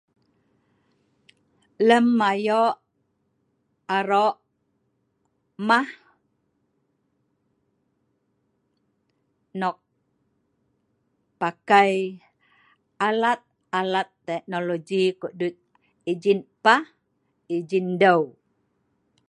lem ayo' aro' mah, nok pakai alat alat teknologi kudut ijin pah ijin deu